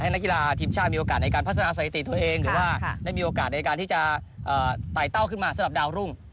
นักกีฬาทีมชาติมีโอกาสในการพัฒนาสถิติตัวเองหรือว่าได้มีโอกาสในการที่จะไต่เต้าขึ้นมาสำหรับดาวรุ่ง